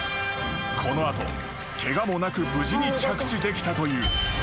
［この後ケガもなく無事に着地できたという］